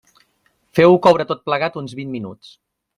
Feu-ho coure tot plegat uns vint minuts.